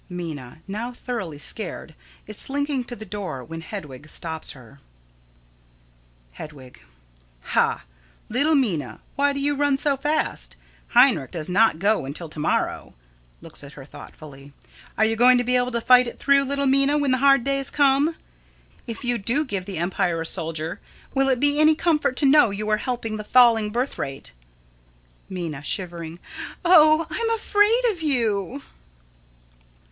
[Minna, now thoroughly scared, is slinking to the door when Hedwig stops her.] Hedwig: Ha! little Minna, why do you run so fast? Heinrich does not go until to morrow. [Looks at her thoughtfully.] Are you going to be able to fight it through, little Minna, when the hard days come? If you do give the empire a soldier, will it be any comfort to know you are helping the falling birth rate? Minna: [Shivering.] Oh, I am afraid of you!